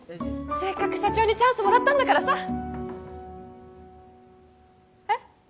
せっかく社長にチャンスもらったんだからさえっ？